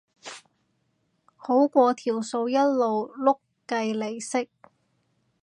好過條數一路碌計利息